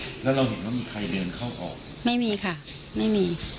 แล้วเราเห็นว่ามีใครเดินเข้าออกไม่มีค่ะไม่มี